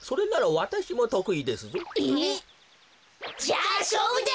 じゃあしょうぶだ！